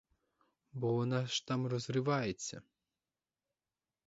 Бо вона ж там розривається.